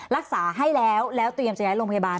รักษาให้แล้วแล้วเตรียมจะย้ายโรงพยาบาล